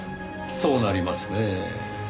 そうなりますねぇ。